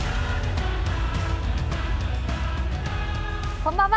こんばんは。